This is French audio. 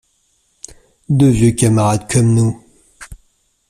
De vieux camarades comme nous !…